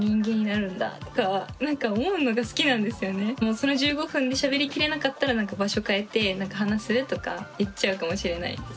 その１５分でしゃべり切れなかったら「場所変えて話す？」とか言っちゃうかもしれないです。